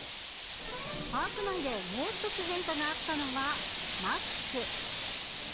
パーク内でもう１つ変化があったのは、マスク。